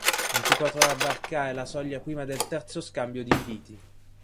Non si potrà varcare la soglia prima del terzo scambio di inviti.